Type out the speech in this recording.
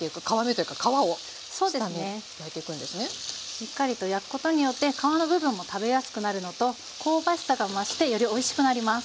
しっかりと焼くことによって皮の部分も食べやすくなるのと香ばしさが増してよりおいしくなります。